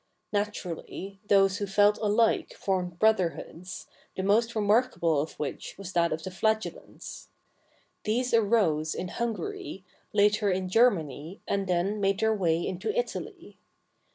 Naturally, those who felt alike formed brotherhoods, the most remark able of which was that of the Flagellants. These arose in Hungary, later in Germany, and then made their way into Italy.